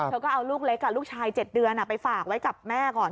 เธอก็เอาลูกเล็กลูกชาย๗เดือนไปฝากไว้กับแม่ก่อน